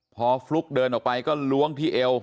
พอฟลุ๊กเดินออกไปก็ล้วงที่เอว